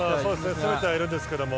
攻めてはいるんですけど。